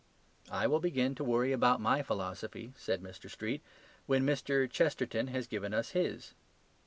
"I will begin to worry about my philosophy," said Mr. Street, "when Mr. Chesterton has given us his."